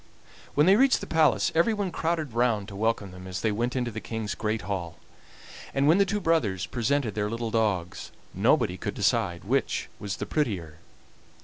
When they reached the palace everyone crowded round to welcome them as they went into the King's great hall; and when the two brothers presented their little dogs nobody could decide which was the prettier.